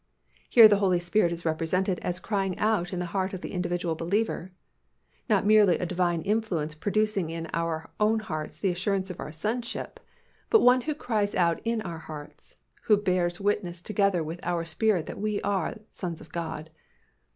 Here the Holy Spirit is represented as crying out in the heart of the individual believer. Not merely a Divine influence producing in our own hearts the assurance of our sonship but one who cries out in our hearts, who bears witness together with our spirit that we are sons of God.